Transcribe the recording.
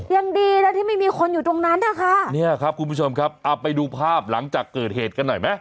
ยังดีนะที่ไม่มีคนอยู่ตรงนั้นนะคะเนี่ยครับคุณผู้ชมครับเอาไปดูภาพหลังจากเกิดเหตุกันหน่อยไหม